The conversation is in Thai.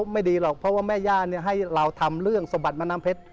ไม่ดีหรอกเพราะว่าแม่ย่าให้เราทำเรื่องสมบัติแม่น้ำเพชร